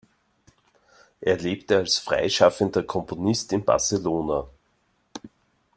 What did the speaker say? Er lebte als freischaffender Komponist in Barcelona.